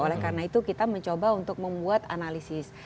oleh karena itu kita mencoba untuk membuat analisis